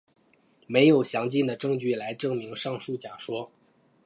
没有详尽的证据来证明上述假说。